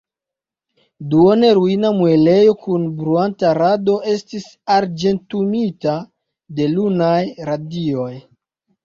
Duone ruina muelejo kun bruanta rado estis arĝentumita de lunaj radioj.